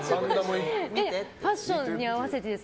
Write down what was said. ファッションに合わせてです。